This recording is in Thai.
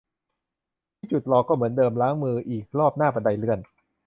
ที่จุดรอก็เหมือนเดิม ล้างมืออีกรอบหน้าบันไดเลื่อน